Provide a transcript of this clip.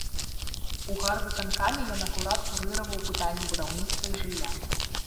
У гарвыканкаме ён акурат курыраваў пытанні будаўніцтва і жылля.